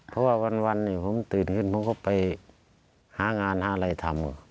เพราะว่าวันผมตื่นขึ้นผมก็ไปหางานหาอะไรทำ